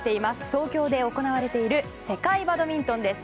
東京で行われている世界バドミントンです。